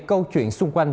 câu chuyện xung quanh